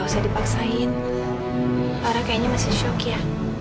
sampai jumpa di video selanjutnya